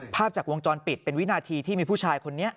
ภาพจากวงจรปิดเป็นวินาทีที่มีผู้ชายคนนี้